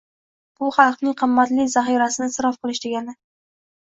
bu xalqning qimmatli zaxirasini isrof qilish degani.